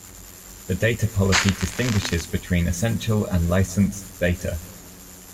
The data policy distinguishes between essential and licensed data.